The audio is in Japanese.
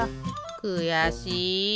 くやしい。